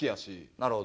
なるほど。